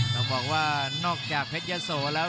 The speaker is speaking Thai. ต้องบอกว่านอกจากเพชรยะโสแล้ว